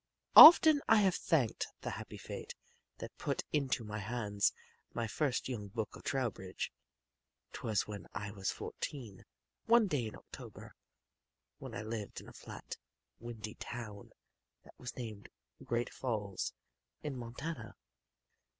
Often I have thanked the happy fate that put into my hands my first young book of Trowbridge. 'Twas when I was fourteen one day in October, when I lived in a flat, windy town that was named Great Falls, in Montana.